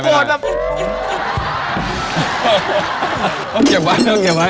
เดี๋ยวเยอะไม่ได้